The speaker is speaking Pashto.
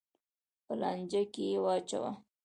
په لانجه کې یې واچوه.